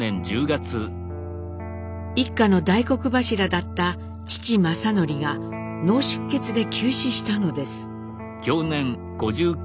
一家の大黒柱だった父正徳が脳出血で急死したのです。